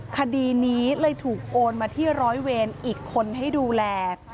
คดีนี้เลยถูกโอนมาที่ร้อยเวรอีกคนให้ดูแล